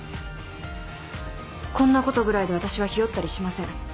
こんなことぐらいで私はひよったりしません。